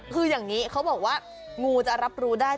คืออย่างนี้เขาบอกว่างูจะรับรู้ได้